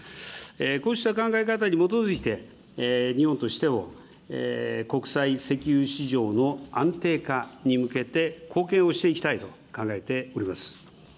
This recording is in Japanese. こうした考え方に基づいて、日本としても国際石油市場の安定化に向けて、貢献をしていきたいと考えております。